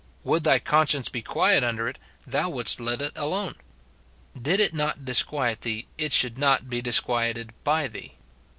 Would thy conscience be quiet under it, thou wouldst let it alone. Did it not disquiet thee, it should not be disquieted by thee.